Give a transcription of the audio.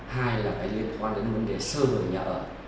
hai là liên quan đến vấn đề sơ gửi nhà ở